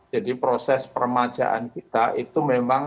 jadi proses permajaan kita itu memang